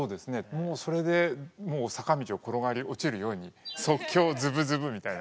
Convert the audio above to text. もうそれで坂道を転がり落ちるように即興ズブズブみたいな感じです。